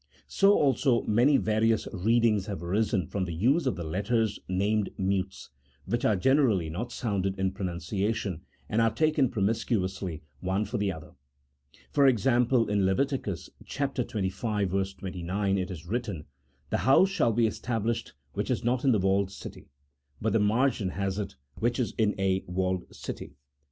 So also many various readings have arisen from the use of the letters named mutes, which are generally not sounded in pronunciation, and are taken promiscuously, one for the other. For example, in Levit. xxv. 29, it is written, " The house shall be established which is not in the walled city," but the margin has it, " which is in a walled city."